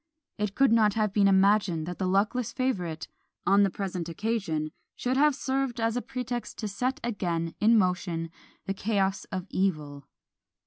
It could not have been imagined that the luckless favourite, on the present occasion, should have served as a pretext to set again in motion the chaos of evil!